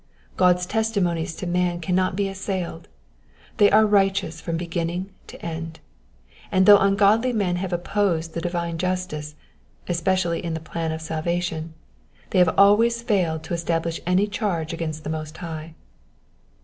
God's testimonies to man cannot be assailed, they are lighteous from beginning to end ; and though ungodly men have opposed the divine justice, especially in the plan of salvation, they have always failed to establish any charge against the Most High.